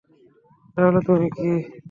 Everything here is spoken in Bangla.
তাহলে তুমি কি?